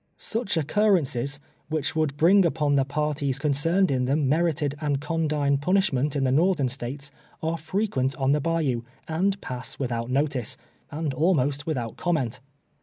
Such occurrences, which would bring upon the parties concerned in them merited and condign pun ishment in the Northern States, are frequent on the bayou, and pass without notice, and almost without comment.